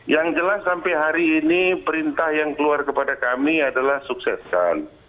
yang jelas sampai hari ini perintah yang keluar kepada kami adalah sukseskan